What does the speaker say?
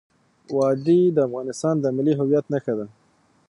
وادي د افغانستان د ملي هویت نښه ده.